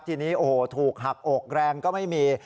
ทีนี้โอ้โหถูกหักอกแรงก็ไม่มี